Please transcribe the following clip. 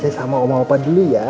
keses sama omah omah dulu ya